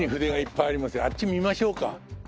あっち見ましょうか。